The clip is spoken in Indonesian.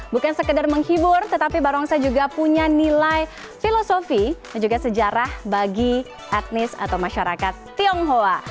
bukan sekedar menghibur tetapi barongsai juga punya nilai filosofi dan juga sejarah bagi etnis atau masyarakat tionghoa